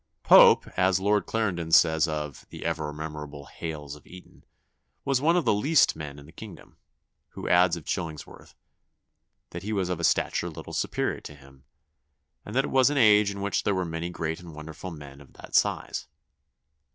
] "Pope, as Lord Clarendon says of (the ever memorable) Hales of Eaton, was one of the least men in the kingdom; who adds of Chillingworth, that he was of a stature little superior to him, and that it was an age in which there were many great and wonderful men of that size....